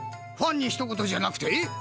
ファンにひと言じゃなくて？